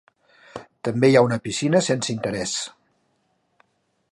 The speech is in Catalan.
També hi ha una piscina, sense interès.